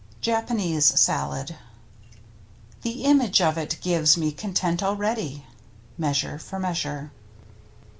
JAPANESE SALAD The image of it gives me content already. — Measure for Measure.